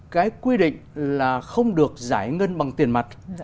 cái quy định là không được giải ngân bằng tiền mặt